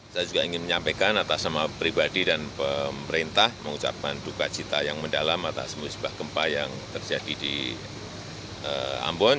saya juga ingin menyampaikan atas nama pribadi dan pemerintah mengucapkan duka cita yang mendalam atas musibah gempa yang terjadi di ambon